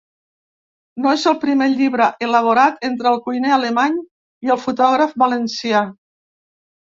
No és el primer llibre elaborat entre el cuiner alemany i el fotògraf valencià.